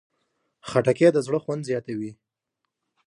خټکی د زړه خوند زیاتوي.